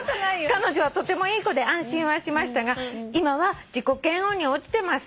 「彼女はとてもいい子で安心はしましたが今は自己嫌悪におちてます」